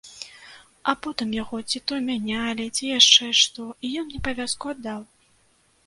А потым яго ці то мянялі, ці яшчэ што, і ён мне павязку аддаў.